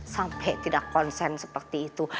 sampai tidak konsen seperti itu